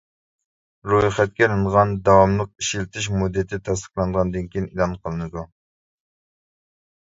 رويخەتكە ئېلىنغان داۋاملىق ئىشلىتىش مۇددىتى تەستىقلانغاندىن كېيىن ئېلان قىلىنىدۇ.